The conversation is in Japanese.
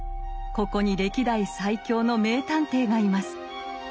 ここに歴代最強の名探偵がいます。